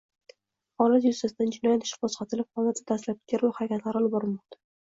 Holat yuzasidan jinoyat ishi qo‘zg‘atilib, hozirda dastlabki tergov harakatlari olib borilmoqda